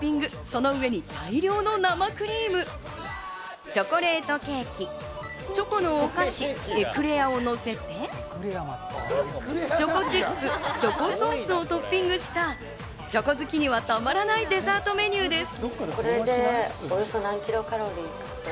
その上に大量の生クリーム、チョコレートケーキ、チョコのお菓子、エクレアを乗せてチョコチップ、チョコソースをトッピングしたチョコ好きにはたまらないデザートメニューです。